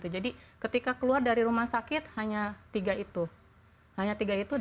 jadi ketika keluar dari rumah sakit hanya tiga itu